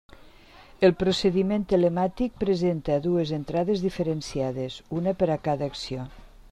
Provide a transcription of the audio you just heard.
El procediment telemàtic presenta dues entrades diferenciades, una per a cada acció.